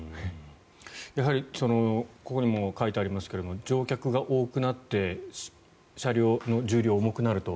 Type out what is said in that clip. やはりここにも書いてありますが乗客が多くなって車両の重量が重くなると